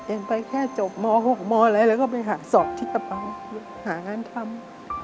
ไปแค่จบม๖มอะไรแล้วก็ไปหาสอบที่กระเป๋าหางานทำ